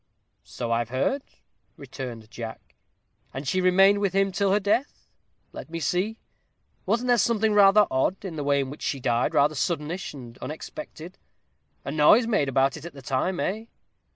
"So I've heard," returned Jack; "and she remained with him till her death. Let me see, wasn't there something rather odd in the way in which she died, rather suddenish and unexpected, a noise made about it at the time, eh?"